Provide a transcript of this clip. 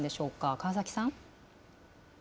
川崎さん。